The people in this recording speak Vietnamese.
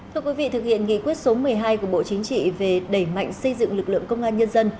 thưa quý vị thực hiện nghị quyết số một mươi hai của bộ chính trị về đẩy mạnh xây dựng lực lượng công an nhân dân